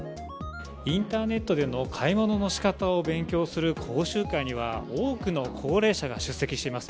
インターネットでの買い物のしかたを勉強する講習会には、多くの高齢者が出席しています。